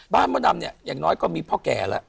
บ้านพระดำเนี่ยอย่างน้อยก็มีพ่อแก่ละ